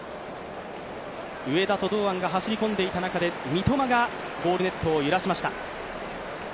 上田と堂安が走り込んでいた中で三笘がゴールネットを揺らしました。